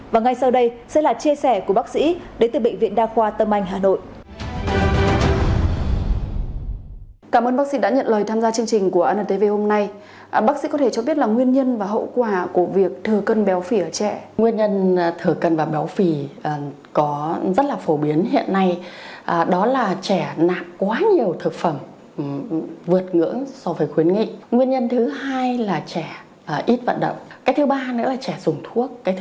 và ngay sau đây sẽ là chia sẻ của bác sĩ đến từ bệnh viện đa khoa tâm anh hà nội